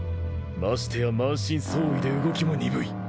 ましてや満身創痍で動きも鈍い。